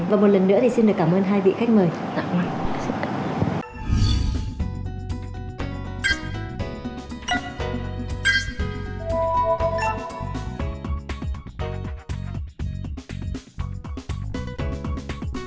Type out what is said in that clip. và một lần nữa thì xin được cảm ơn hai vị khách mời